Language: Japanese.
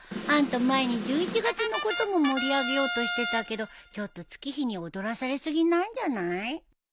あんた前に１１月のことも盛り上げようとしてたけどちょっと月日に踊らされ過ぎなんじゃない？